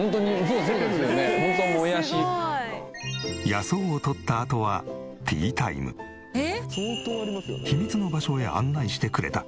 野草を採ったあとは秘密の場所へ案内してくれた。